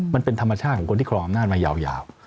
มันเป็นธรรมชาติของคนที่ครองอำนาจมายาว